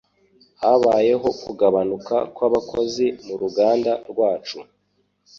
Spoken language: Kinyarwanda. Habayeho kugabanuka kwabakozi muruganda rwacu.